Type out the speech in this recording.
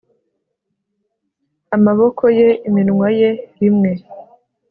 Amaboko ye iminwa ye rimwe